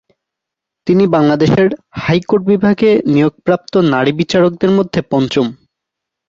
তিনি বাংলাদেশের হাইকোর্ট বিভাগে নিয়োগপ্রাপ্ত নারী বিচারকদের মধ্যে পঞ্চম।